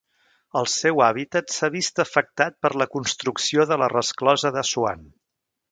El seu hàbitat s'ha vist afectat per la construcció de la resclosa d'Assuan.